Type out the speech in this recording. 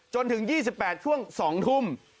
จนถึง๒๘ช่วง๒ทุ่ม